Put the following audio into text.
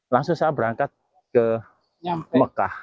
langsung saya berangkat ke mekah